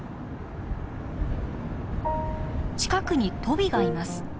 近くにトビがいます。